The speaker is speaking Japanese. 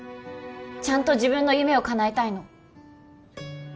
ちゃんと自分の夢をかなえたいの